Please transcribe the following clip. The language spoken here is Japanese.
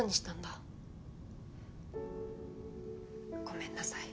ごめんなさい。